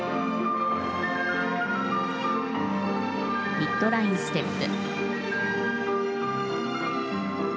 ミッドラインステップ。